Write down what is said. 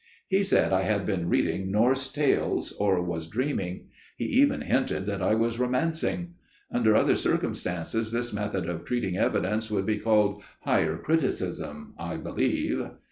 He said I had been reading Norse tales, or was dreaming. He even hinted that I was romancing. Under other circumstances this method of treating evidence would be called 'Higher Criticism,' I believe."